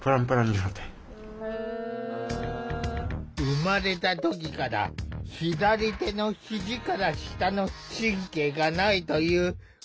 生まれた時から左手の肘から下の神経がないというガーフィール。